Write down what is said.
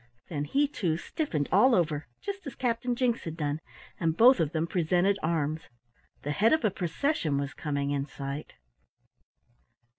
Then he, too, stiffened all over just as Captain Jinks had done, and both of them presented arms. The head of a procession was coming in sight.